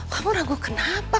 kamu ragu kenapa